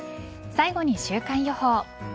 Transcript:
最後に週間予報。